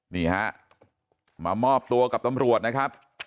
นี่ฮะมามอบตัวกับตำรวจนะครับ